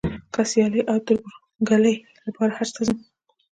که د سیالۍ او تربورګلوۍ لپاره حج ته ځم.